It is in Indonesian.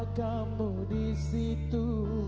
aduh siapa kamu disitu